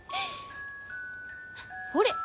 ほれ。